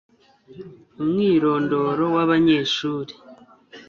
umwirondoro w'abanyeshuri